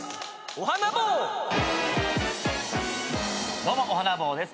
どうも御華坊です。